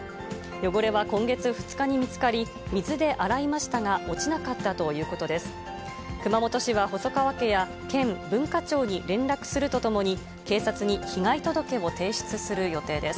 汚れは今月２日に見つかり、水で洗いましたが、落ちなかったということです。